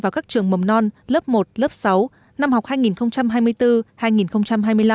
vào các trường mầm non lớp một lớp sáu năm học hai nghìn hai mươi bốn hai nghìn hai mươi năm